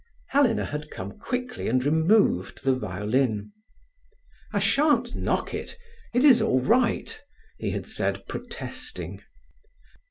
Helena had come quickly and removed the violin. "I shan't knock it—it is all right," he had said, protesting.